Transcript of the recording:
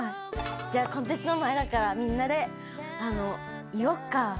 じゃあ、の前だから、みんなでいおっか。